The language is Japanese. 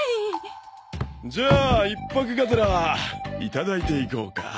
じゃあ１泊がてらいただいていこうか。